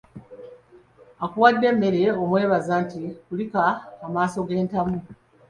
Akuwadde emmere omwebaza nti kulika amaaso g’entamu.